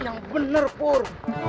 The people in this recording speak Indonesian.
yang bener pur